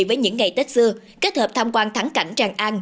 với những ngày tết xưa kết hợp tham quan thắng cảnh tràng an